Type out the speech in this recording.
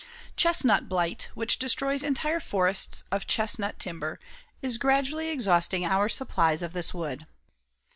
Chestnut blight, which destroys entire forests of chestnut timber, is gradually exhausting our supplies of this wood.